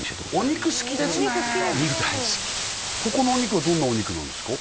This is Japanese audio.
肉大好きここのお肉はどんなお肉なんですか？